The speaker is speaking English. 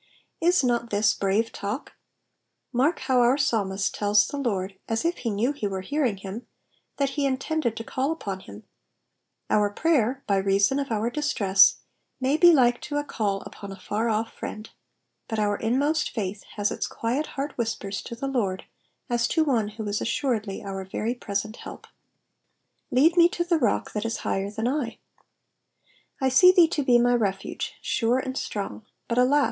Is not this brave talk ? Mark how our psalmist tells the Lord, as if he knew he were hearing him, that he intended to call upon him : our prayer by reason of our distress may be like to a call upon a far olf friend, but our inmost faith has its quiet heart whispers to the Lord as to one who is assuredly our very present help. *'^Lead me to tlie rock that is higher than /. I see thee to be my refuge, sure and strong ; but alas